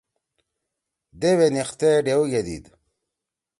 دیؤے نیِختے ڈیؤ گے دیِد۔